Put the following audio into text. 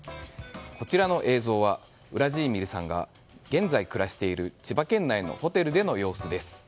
こちらの映像はウラジーミルさんが現在、暮らしている千葉県内のホテルでの様子です。